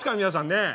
皆さんね。